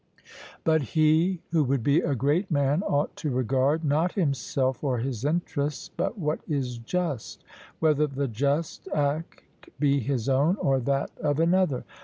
But he who would be a great man ought to regard, not himself or his interests, but what is just, whether the just act be his own or that of another.